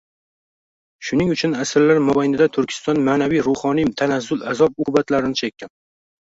Shuning uchun asrlar mobaynida Turkiston ma’naviy-ruhoniy tanazzul azob-uqubatlarini chekkan.